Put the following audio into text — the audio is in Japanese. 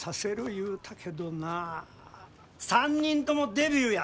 言うたけどな３人ともデビューや！